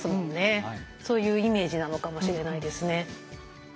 そういうイメージなのかもしれないですね。